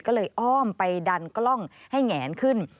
ก็เลยอ้อมไปดันกล้องให้แหงขึ้น